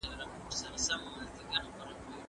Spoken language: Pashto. که په خوړو کې فاسفورس زیات وي.